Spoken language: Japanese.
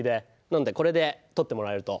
なのでこれで撮ってもらえると。